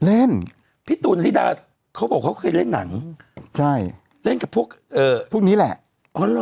เล่นพี่ตูนธิดาเขาบอกเขาเคยเล่นหนังใช่เล่นกับพวกนี้แหละ